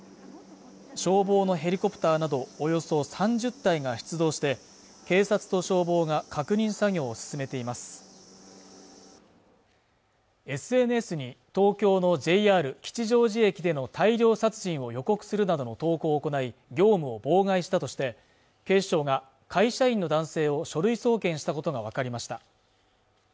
消防のヘリコプターなどおよそ３０隊が出動して警察と消防が確認作業を進めていますＳＮＳに東京のＪＲ吉祥寺駅での大量殺人を予告するなどの投稿を行い業務を妨害したとして警視庁が会社員の男性を書類送検したことが分かりました